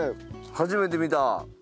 初めて見た。